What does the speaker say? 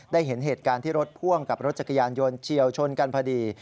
เห็นเหตุการณ์ที่รถพ่วงกับรถจักรยานยนต์เฉียวชนกันพอดี